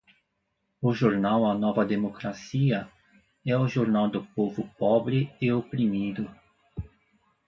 O jornal a nova democracia é o jornal do povo pobre e oprimido